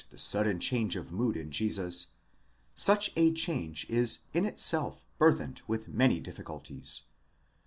643 the sudden change of mood in Jesus; such a change is in itself burthened with many difficulties.